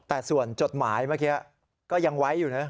แต่ส่วนจดหมายเมื่อกี้ก็ยังไว้อยู่นะ